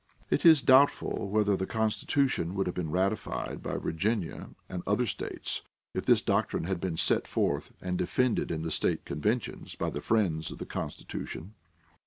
It is doubtful whether the Constitution would have been ratified by Virginia and other states if this doctrine had been set forth and defended in the state conventions by the friends of the Constitution.